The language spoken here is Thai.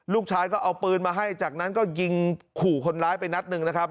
ลูกชายก็เอาปืนมาให้จากนั้นก็ยิงขู่คนร้ายไปนัดหนึ่งนะครับ